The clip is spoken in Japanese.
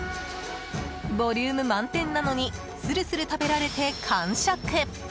ボリューム満点なのにスルスル食べられて完食。